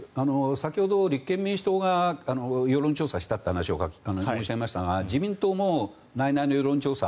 先ほど立憲民主党が世論調査したという話を申し上げましたが自民党も内々の世論調査